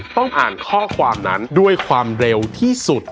ต้องอ่านข้อความนั้นด้วยความเร็วที่สุด